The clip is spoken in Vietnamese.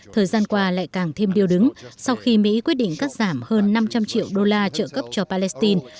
thời gian qua lại càng thêm điều đứng sau khi mỹ quyết định cắt giảm hơn năm trăm linh triệu đô la trợ cấp cho palestine